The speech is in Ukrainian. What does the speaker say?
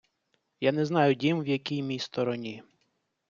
Я не знаю дім в якій мій стороні